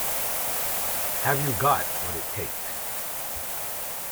Have you got what it takes?